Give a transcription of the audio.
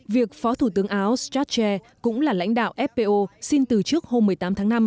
việc phó thủ tướng áo strache cũng là lãnh đạo fpo xin từ chức hôm một mươi tám tháng năm